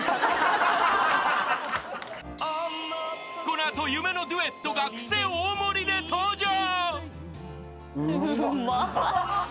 ［この後夢のデュエットがクセ大盛りで登場］